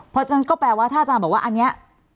เพราะฉะนั้นก็แปลว่าถ้าอาจารย์บอกว่าอันนี้